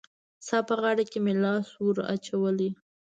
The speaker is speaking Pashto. ستا په غاړه کي مي لاس وو اچولی